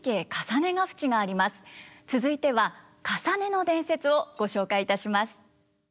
続いては「累の伝説」をご紹介いたします。